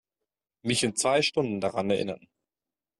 Mich in zwei Stunden daran erinnern.